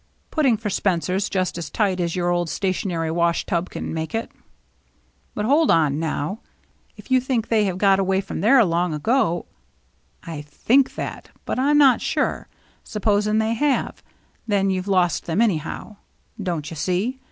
"" Putting for Spencer's, just as tight as your old stationary wash tub can make it." " But hold on, now. If you think they have got away from there long ago —"" I think that, but I'm not sure. Supposing they have — then you've lost them anyhow. Don't you see?